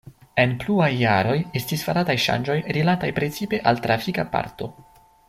En pluaj jaroj estis farataj ŝanĝoj rilataj precipe al trafika parto.